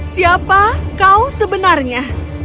siapa kau sebenarnya